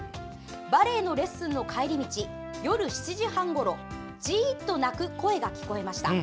バレエのレッスンの帰り道夜７時半ごろ「ジー」と鳴く声が聞こえました。